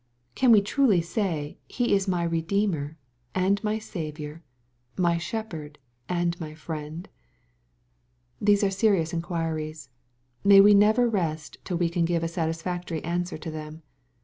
Can we truly say He is my Redeemer, and my Saviour, m) Shepherd, and my Friend ? These are serious inquiries. May we never rest till we can give a satisfactory answer to them.